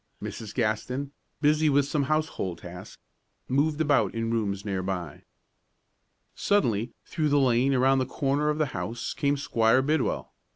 Mrs. Gaston, busy with some household task, moved about in the rooms near by. Suddenly through the lane around the corner of the house came Squire Bidwell.